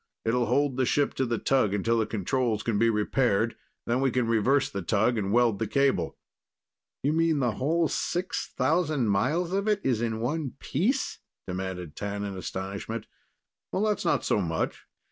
It'll hold the ship to the tug until the controls can be repaired, then we can reverse the tug and weld the cable." "You mean the whole 6,000 miles of it's in one piece?" demanded T'an in astonishment. "That's not so much.